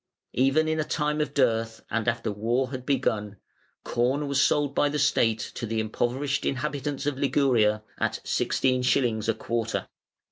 Even in a time of dearth and after war had begun, corn was sold by the State to the impoverished inhabitants of Liguria at sixteen shillings a quarter.